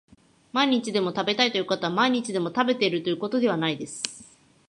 毎日でも食べたいということは毎日でも食べているということではないです